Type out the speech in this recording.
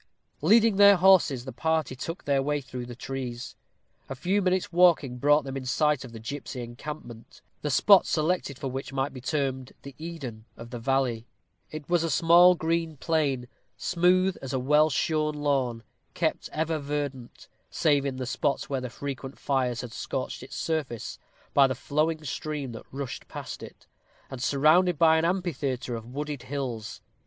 Leading their horses, the party took their way through the trees. A few minutes' walking brought them in sight of the gipsy encampment, the spot selected for which might be termed the Eden of the valley. It was a small green plain, smooth as a well shorn lawn, kept ever verdant save in the spots where the frequent fires had scorched its surface by the flowing stream that rushed past it, and surrounded by an amphitheatre of wooded hills.